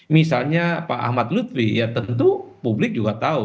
misalnya pak ahmad lutfi ya tentu publik juga tahu